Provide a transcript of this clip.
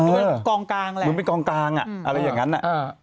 กองกลางแหละเหมือนเป็นกองกลางอ่ะอะไรอย่างนั้นอ่ะอ่า